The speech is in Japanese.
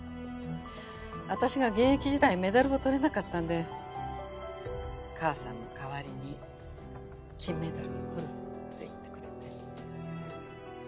私が現役時代メダルをとれなかったんで母さんの代わりに金メダルをとるって言ってくれて。